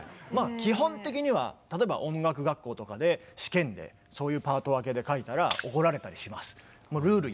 基本的には例えば音楽学校とかで試験でそういうパート分けで書いたら怒られたりします。